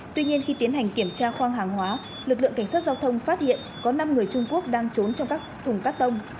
tuy nhiên khi tiến hành kiểm tra khoang hàng hóa lực lượng cảnh sát giao thông phát hiện có năm người trung quốc đang trốn trong các thùng cắt tông